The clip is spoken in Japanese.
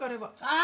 あ！